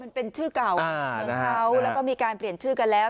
มันเป็นชื่อเก่าเมืองเขาแล้วก็มีการเปลี่ยนชื่อกันแล้ว